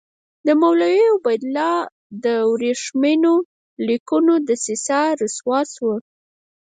د مولوي عبیدالله د ورېښمینو لیکونو دسیسه رسوا شوه.